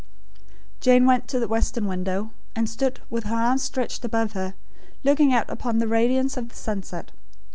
Jane went to the western window, and stood, with her arms stretched above her, looking out upon the radiance of the sunset.